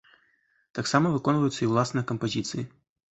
Таксама выконваюцца і ўласныя кампазіцыі.